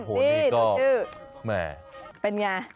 นี่หนูชื่อแหม่เป็นอย่างไร